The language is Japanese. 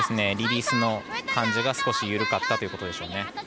リリースの感じが少し緩かったということでしょうね。